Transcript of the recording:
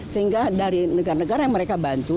sehingga dari negara negara yang mereka bantu